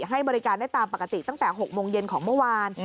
ให้บริการได้ตามปกติตั้งแต่๖โมงเย็นของเมื่อวาน